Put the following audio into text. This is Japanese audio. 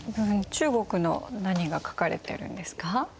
中国の何が書かれてるんですか？